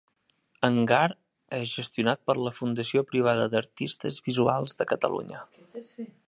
Hangar és gestionat per la Fundació Privada d'Artistes Visuals de Catalunya.